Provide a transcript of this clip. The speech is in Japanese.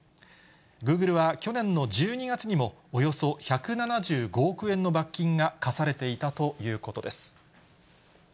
グーグルは去年の１２月にも、およそ１７５億円の罰金が科されていたということです。